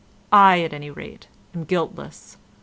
I, at any rate, am guiltless.